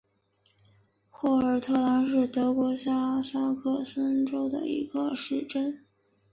霍尔特兰是德国下萨克森州的一个市镇。